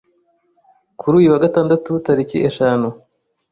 kuri uyu wa Gatandatu tariki eshanu